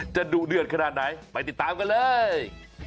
ดุเดือดขนาดไหนไปติดตามกันเลย